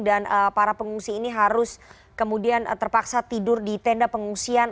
dan para pengungsi ini harus kemudian terpaksa tidur di tenda pengungsian